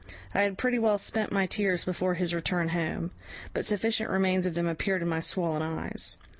I had pretty well spent my tears before his return home; but sufficient remains of them appeared in my swollen eyes.